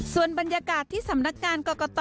ส่วนบรรยากาศที่สำนักการ